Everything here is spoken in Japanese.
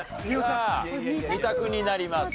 さあ２択になります。